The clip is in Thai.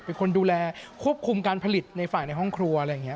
เป็นคนดูแลควบคุมการผลิตในฝ่ายในห้องครัวอะไรอย่างนี้